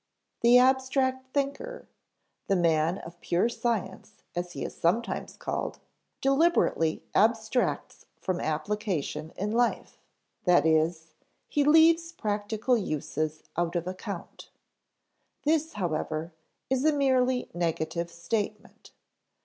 The abstract thinker (the man of pure science as he is sometimes called) deliberately abstracts from application in life; that is, he leaves practical uses out of account. This, however, is a merely negative statement.